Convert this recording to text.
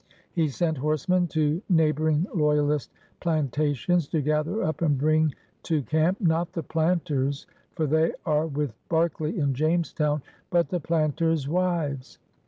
He sent horsemen to neighbor ing loyalist plantations to gather up and bring to camp, not the planters — for they are with Berke ley in Jamestown — but the planters' wives.